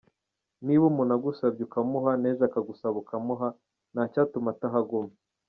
Niba umuntu agusabye ukamuha, n’ejo akagusaba ukamuha, nta cyatuma atahaguma.